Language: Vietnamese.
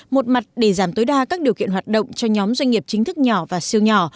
một mặt để giảm tối đa các điều kiện hoạt động cho nhóm doanh nghiệp chính thức nhỏ và siêu nhỏ